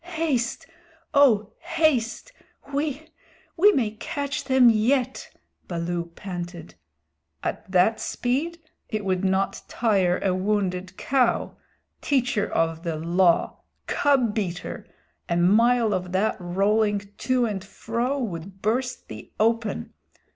"Haste! O haste! We we may catch them yet!" Baloo panted. "At that speed! It would not tire a wounded cow. Teacher of the Law cub beater a mile of that rolling to and fro would burst thee open.